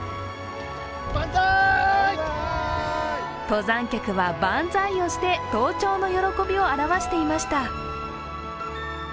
登山客はバンザイをして登頂の喜びを表していました。